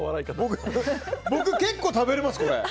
僕、結構食べれます、これ。